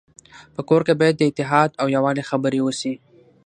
په کور کي باید د اتحاد او يووالي خبري وسي.